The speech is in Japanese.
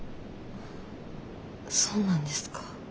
そうなんですか。